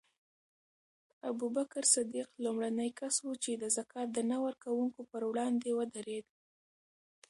ابوبکر صدیق لومړنی کس و چې د زکات د نه ورکوونکو پر وړاندې ودرېد.